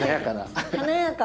華やか！